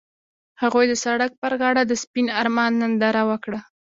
هغوی د سړک پر غاړه د سپین آرمان ننداره وکړه.